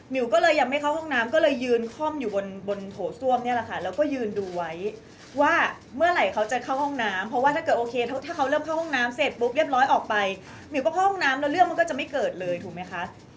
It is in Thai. ก็เลยยังไม่เข้าห้องน้ำก็เลยยืนคล่อมอยู่บนโถส้วมเนี่ยแหละค่ะแล้วก็ยืนดูไว้ว่าเมื่อไหร่เขาจะเข้าห้องน้ำเพราะว่าถ้าเกิดโอเคถ้าเขาเริ่มเข้าห้องน้ำเสร็จปุ๊บเรียบร้อยออกไปมิวก็เข้าห้องน้ำแล้วเรื่องมันก็จะไม่เกิดเลยถูกไหมคะ